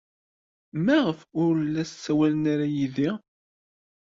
Maɣef ur la ssawalen ara yid-i?